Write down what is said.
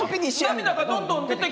涙がどんどん出てきたぞ。